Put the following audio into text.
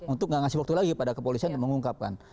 untuk gak ngasih waktu lagi pada kepolisian dan mengungkapkan